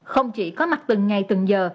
không chỉ có mặt từng ngày từng giờ